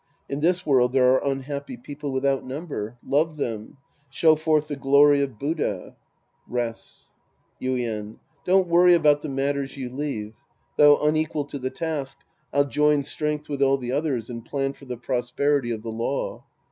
In this world, there are unhappy people without number. Love them. Show forth the glory of Buddha. {Rests:) Yuien. Don't worry about the matters you leave. Though unequal to the task, I'll join strength with all the others and plan for the prosperity of the law.